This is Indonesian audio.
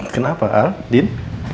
kenapa al din